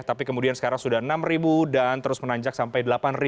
tapi kemudian sekarang sudah enam ribu dan terus menanjak sampai delapan